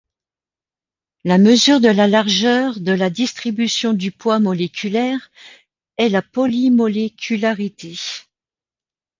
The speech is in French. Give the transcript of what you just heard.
La mesure de la largeur de la distribution du poids moléculaire est la polymolécularité.